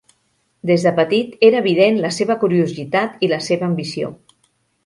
Des de petit era evident la seva curiositat i la seva ambició.